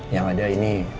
yang ada ini